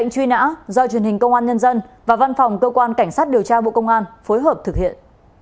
truy nã do truyền hình công an nhân dân và văn phòng cơ quan cảnh sát điều tra bộ công an phối hợp thực hiện